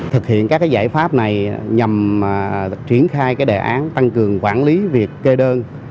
thực hiện các giải pháp này nhằm triển khai đề án tăng cường quản lý việc kê đơn